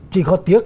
chỉ có tiếc